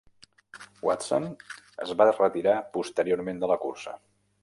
Watson es va retirar posteriorment de la cursa.